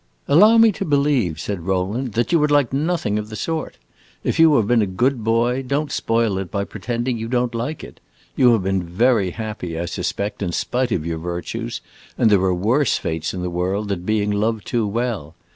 "Allow me to believe," said Rowland, "that you would like nothing of the sort. If you have been a good boy, don't spoil it by pretending you don't like it. You have been very happy, I suspect, in spite of your virtues, and there are worse fates in the world than being loved too well.